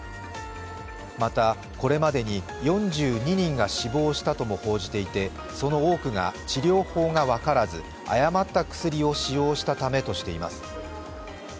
また、これまでに４２人が死亡したとも報じていてその多くが治療法が分からず、誤った薬を使用したためとしています。